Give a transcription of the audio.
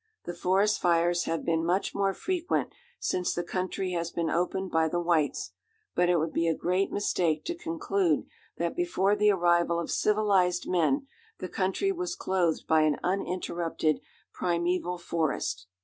The forest fires have been much more frequent since the country has been opened by the whites, but it would be a great mistake to conclude that before the arrival of civilized men the country was clothed by an uninterrupted primeval forest.